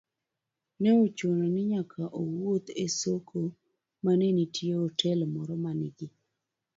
ne ochuno ni nyaka owuoth e soko ma ne nitie otel moro ma nigi